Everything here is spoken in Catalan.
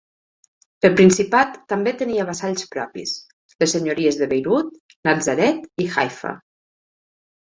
El Principat també tenia vassalls propis: les senyories de Beirut, Natzaret i Haifa.